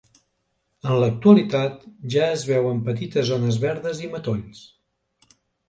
En l'actualitat ja es veuen petites zones verdes i matolls.